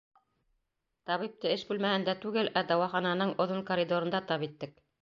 Табипты эш бүлмәһендә түгел, ә дауахананың оҙон коридорында тап иттек.